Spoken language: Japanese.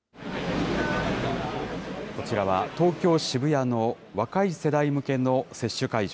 こちらは東京・渋谷の若い世代向けの接種会場。